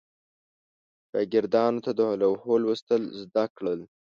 شاګردانو ته د لوحو لوستل زده کړل.